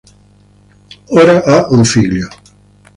Ora ha un figlio.